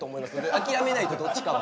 諦めないとどっちかは。